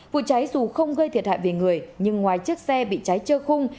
vụ cháy dù không gây thiệt hại về người nhưng ngoài chiếc xe bị cháy trơ khung